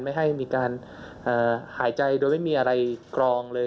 ไม่ให้มีการหายใจโดยไม่มีอะไรกรองเลย